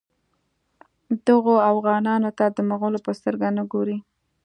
دغو اوغانانو ته د مغولو په سترګه نه ګوري.